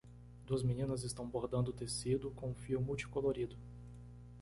Duas meninas estão bordando tecido com fio multicolorido.